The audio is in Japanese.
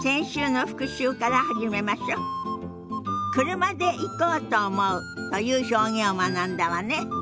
「車で行こうと思う」という表現を学んだわね。